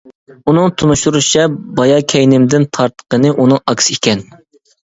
ئۇنىڭ تونۇشتۇرۇشىچە بايا كەينىمدىن تارتقىنى ئۇنىڭ ئاكىسى ئىكەن.